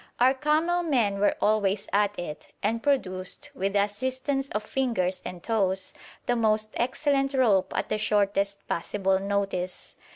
Our camel men were always at it, and produced, with the assistance of fingers and toes, the most excellent rope at the shortest possible notice.